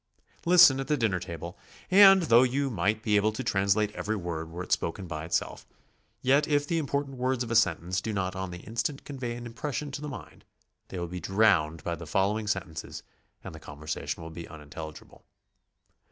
Listen at the dinner table, and though you might 242 GOING ABROAD? be able to translate every word were it spoken by itself, yet if the important words of a sentence do not on the instant convey an impression to the mind, they will be drowned by the following sentences and the conversation will be unin telligible.